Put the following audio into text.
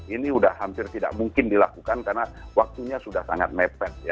ini sudah hampir tidak mungkin dilakukan karena waktunya sudah sangat mepet